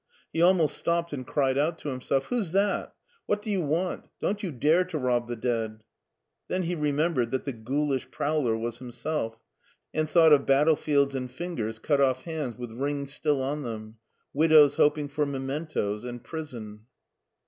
He almost stopped and cried out to him self, "Who's that? What do you want? Don't you dare to rob the dead !" Then he remembered that the ghoulish prowler was himself, and thought of 8o MARTIN SCHULER battlefields and fingers cut off hands with rings still on them, widows hoping for mementoes, and prison.